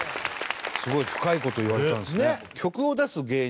すごい深い事言われてたんですね。